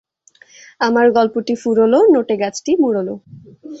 আমার গল্পটি ফুরোলো, নটে গাছটি মুড়োলো।